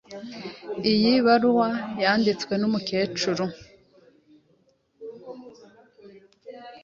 Iyi baruwa yandikiwe umukecuru.